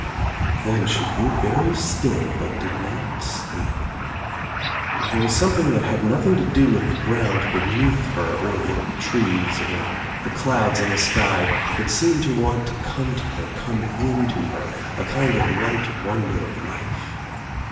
Then she grew very still but did not sleep. There was something that had nothing to do with the ground beneath her or the trees or the clouds in the sky, that ^ seemed to want to come to her, come into her, a kind of ^^Miite wonder of life.